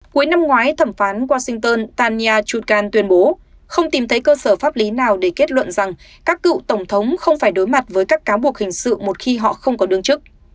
cuối năm ngoái thẩm phán washington tania chukan tuyên bố không tìm thấy cơ sở pháp lý nào để kết luận rằng các cựu tổng thống không phải đối mặt với các cáo buộc hình sự một khi họ không có đương chức